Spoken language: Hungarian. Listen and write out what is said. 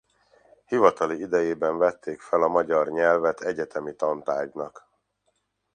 Hivatali idejében vették fel a magyar nyelvet egyetemi tantárgynak.